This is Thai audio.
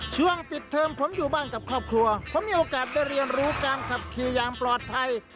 ช่วงปิดเทิมผมอยู่บ้านกับครอบครัวผมมีโอกาสได้เรียนรู้การขับขี่อย่างปลอดภัย